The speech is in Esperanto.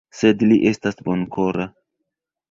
Sed li estas bonkora.